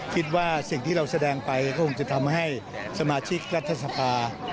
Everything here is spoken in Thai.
คิดว่าสิ่งที่เราแสดงไปก็คงจะทำให้สมาชิกรัฐสภา